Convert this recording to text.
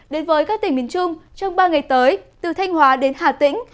đến với các tỉnh miền trung trong ba ngày tới từ thanh hóa đến hà tĩnh